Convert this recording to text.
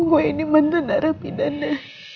bahwa ini mantan darah pidana